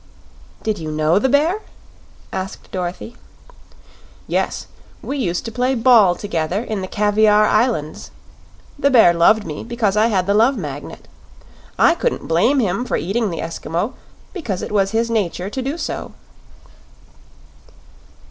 "Did you know the bear?" asked Dorothy. "Yes; we used to play ball together in the Caviar Islands. The bear loved me because I had the Love Magnet. I couldn't blame him for eating the Eskimo, because it was his nature to do so."